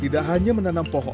tidak hanya menanam pohon